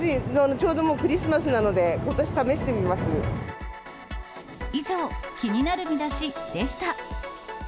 ちょうどもうクリスマスなので、以上、気になるミダシでした。